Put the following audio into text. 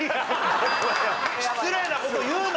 失礼な事言うな！